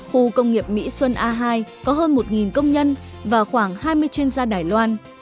khu công nghiệp mỹ xuân a hai có hơn một công nhân và khoảng hai mươi chuyên gia đài loan